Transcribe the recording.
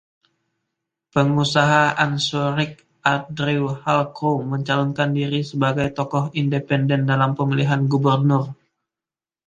Pengusaha Anchorage Andrew Halcro mencalonkan diri sebagai tokoh Independen dalam pemilihan gubernur.